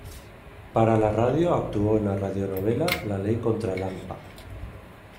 Para la radio actuó en la radionovela "La ley contra el hampa".